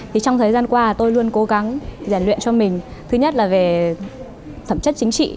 thì trong thời gian qua tôi luôn cố gắng giải luyện cho mình thứ nhất là về phẩm chất chính trị